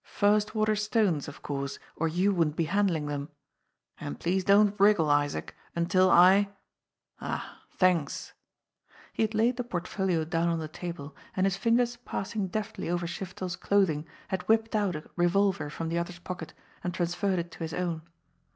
"First water stones of course, or you wouldn't be handling them. And please don't wriggle, Isaac, until I ah, thanks !" He had laid the portfolio down on the table, and his fingers passing deftly over Shiftel's clothing had whipped out a revolver from the other's pocket and trans ferred it to his own.